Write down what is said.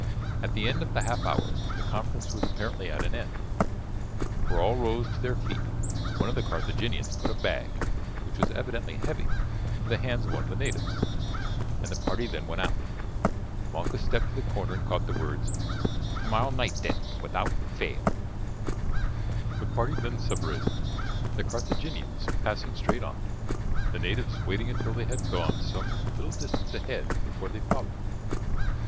At the end of the half hour the conference was apparently at an end, for all rose to their feet. One of the Carthaginians put a bag, which was evidently heavy, into the hands of one of the natives, and the party then went out. Malchus stepped to the corner and caught the words, "Tomorrow night, then, without fail." The party then separated, the Carthaginians passing straight on, the natives waiting until they had gone some little distance ahead before they followed.